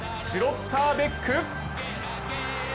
シュロッターベック。